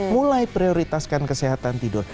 mulai prioritaskan kesehatan tidur